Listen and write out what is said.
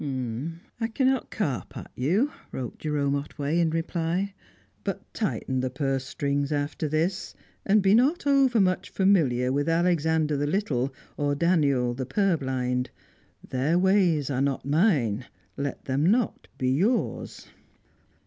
"I cannot carp at you," wrote Jerome Otway in reply, "but tighten the purse strings after this, and be not overmuch familiar with Alexander the Little or Daniel the Purblind. Their ways are not mine; let them not be yours!"